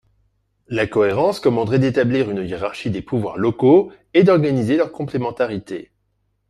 La cohérence commanderait d’établir une hiérarchie des pouvoirs locaux et d’organiser leur complémentarité.